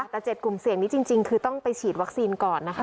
แต่๗กลุ่มเสี่ยงนี้จริงคือต้องไปฉีดวัคซีนก่อนนะคะ